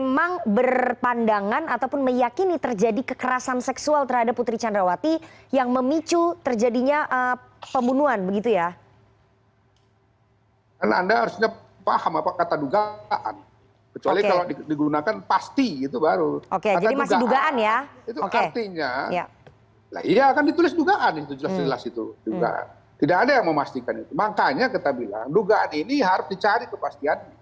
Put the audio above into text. makanya kita bilang dugaan ini harus dicari kepastian